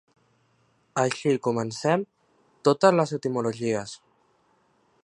Així comencem totes les etimologies.